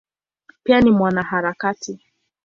Pia ni mwanaharakati.